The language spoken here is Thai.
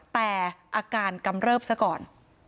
แต่อาการกำเริบซะก่อน